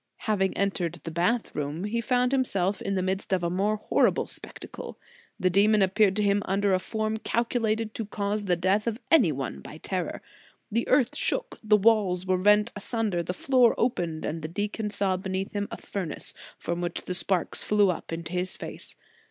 Having entered the bath room, he found himself in the midst of a more horrible spectacle. The demon appeared to him under a form calcu lated to cause the death of any one by terror. The earth shook, the walls were rent asunder, the floor opened and the deacon saw beneath him a furnace, from which the sparks flew into his face.